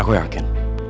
cuman orang bodohnya